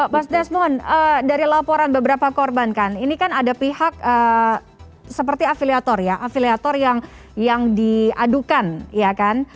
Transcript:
mas desmond dari laporan beberapa korban kan ini kan ada pihak seperti afiliator ya afiliator yang diadukan ya kan